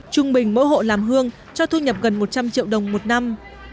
trung bình mỗi hộ làm hương cho thu nhập gần một trăm linh triệu đồng một năm